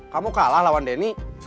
kamu kalah lawan denny